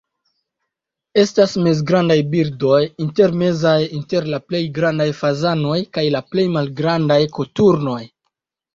Estas mezgrandaj birdoj, intermezaj inter la plej grandaj fazanoj kaj la plej malgrandaj koturnoj.